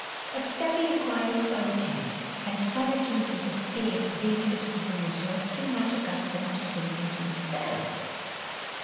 But study requires solitude, and solitude is i state dangerous to those who are too much accustomed to sink into themselves.